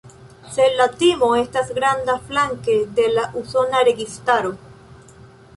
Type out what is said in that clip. Sed la timo estis granda flanke de la usona registaro.